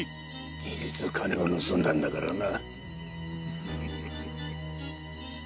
事実金を盗んだんだからな。